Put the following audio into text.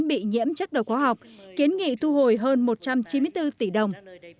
bị nhiễm chất độc hóa học kiến nghị thu hồi hơn một trăm chín mươi bốn tỷ đồng